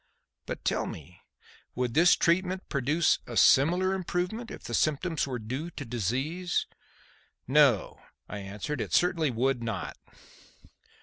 But tell me, would this treatment produce a similar improvement if the symptoms were due to disease?" "No," I answered, "it certainly would not."